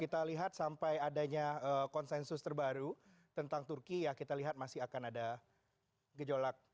kita lihat sampai adanya konsensus terbaru tentang turki ya kita lihat masih akan ada gejolak